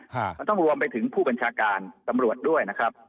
มันต้องรวมไปถึงผู้บัญชาการตำรวจด้วยนะครับ